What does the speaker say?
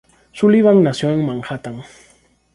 Sullivan nació en Manhattan.